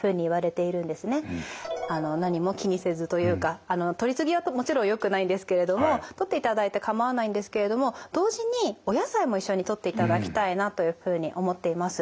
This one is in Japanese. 何も気にせずというかとりすぎはもちろんよくないんですけれどもとっていただいて構わないんですけれども同時にお野菜も一緒にとっていただきたいなというふうに思っています。